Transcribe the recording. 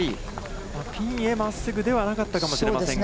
ピンへまっすぐではなかったかもしれませんが。